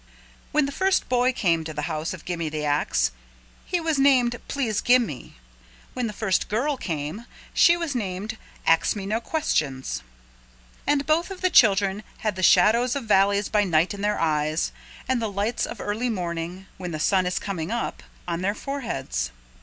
When the first boy came to the house of Gimme the Ax, he was named Please Gimme. When the first girl came she was named Ax Me No Questions. And both of the children had the shadows of valleys by night in their eyes and the lights of early morning, when the sun is coming up, on their foreheads.